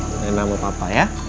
berenang sama papa ya